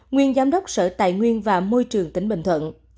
nguyên giám đốc sở tài nguyên và môi trường tỉnh bình thuận